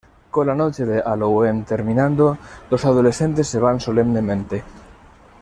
Con la noche de Halloween terminando, los adolescentes se van solemnemente.